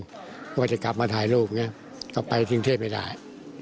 เพราะว่าจะกลับมาถ่ายรูปเนี่ยเขาไปยุงเทพไม่ได้